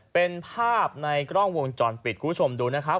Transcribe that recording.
เป็นภาพในกล้องวงจรปิดคุณผู้ชมดูนะครับ